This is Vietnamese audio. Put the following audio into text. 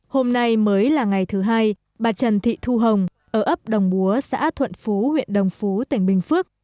hôm nay mới là ngày thứ hai bà trần thị thu hồng ở ấp đồng búa xã thuận phú huyện đồng phú tỉnh bình phước